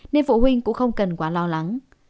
nên phụ huynh cũng không cần quá lo lắng